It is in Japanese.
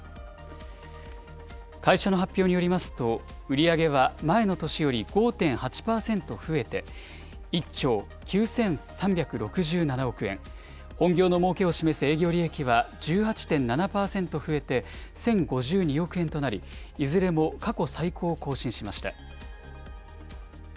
会社の発表によりますと、売り上げは前の年より５．８％増えて、１兆９３６７億円、本業のもうけを示す営業利益は１８．７％増えて、１０５２億円となり、いずれも過去最高を更新しました。